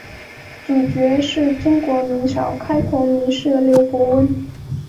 主角是中国明朝开国名士刘伯温。